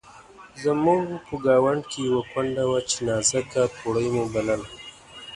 زموږ په ګاونډ کې یوه کونډه وه چې نازکه توړۍ مو بلله.